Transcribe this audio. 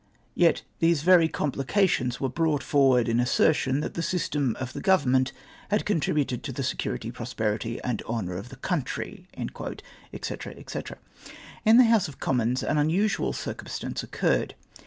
Yet these very complications were brcjught forward in assertion that the system of the government had con tributed to the security, prosperity and honour of the country !" &:c. &e. Li the House of Commons an unusual cu'cumstance occurred.